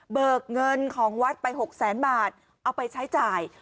เบิกเงินของวัดไป๖๐๐๐๐๐บาทเอาไปใช้จ่าย